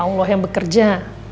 allah yang bekerja